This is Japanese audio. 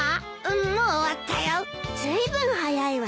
ずいぶん早いわね。